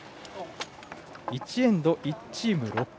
１エンド、１チーム６球。